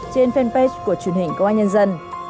trên fanpage của truyền hình công an nhân dân